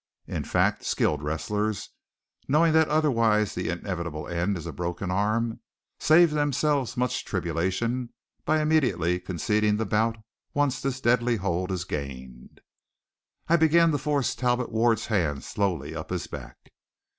In fact, skilled wrestlers, knowing that otherwise the inevitable end is a broken arm, save themselves much tribulation by immediately conceding the bout once this deadly hold is gained. I began to force Talbot Ward's hand slowly up his back.